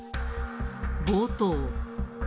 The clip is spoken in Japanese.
冒頭。